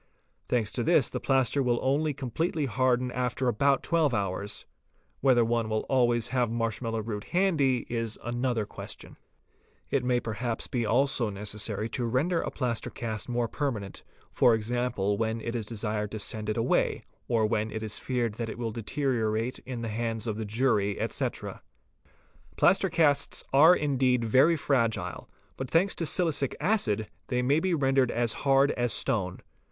Thanks to this the plaster will only completely harden after about 12 hours; whether one will always have marsh mallow root handy, is another question , It may perhaps be also necessary to render a plaster cast more per manent, ¢.g., when it is desired to send it away, or when it is feared that it will deteriorate in the hands of the jury, etc. Plaster casts are indeed very fragile but thanks to silicic acid they may be rendered as hard as REPRODUCTION OF FOOTPRINTS 549 stone.